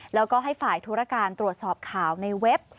แล้วก็ให้ฝ่ายธุรการตรวจสอบข่าวในเว็บ